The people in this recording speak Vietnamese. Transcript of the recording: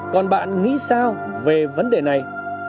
còn bạn nghĩ sao về vấn đề này